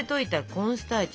コーンスターチ。